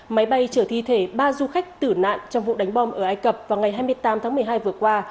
máy bay chở thi thể ba du khách tử nạn trong vụ đánh bom ở ai cập vào ngày hai mươi tám tháng một mươi hai vừa qua